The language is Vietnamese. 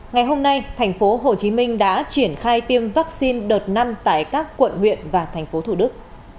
ngày hôm nay tp hcm đã triển khai tiêm vaccine đợt năm tại các quận huyện và thành phố thủ đức